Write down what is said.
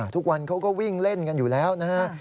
ทุกวันเขาก็วิ่งเล่นกันอยู่แล้วนะฮะ